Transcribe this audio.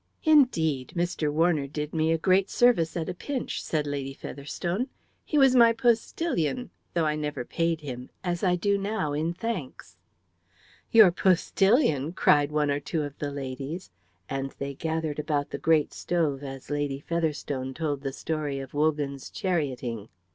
"Indeed, Mr. Warner did me a great service at a pinch," said Lady Featherstone. "He was my postillion, though I never paid him, as I do now in thanks." "Your postillion!" cried one or two of the ladies, and they gathered about the great stove as Lady Featherstone told the story of Wogan's charioting.